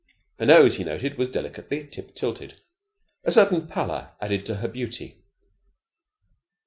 Her nose, he noted, was delicately tip tilted. A certain pallor added to her beauty.